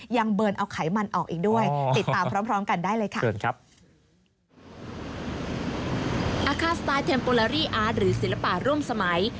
ยังเบิร์นเอาไขมันออกอีกด้วย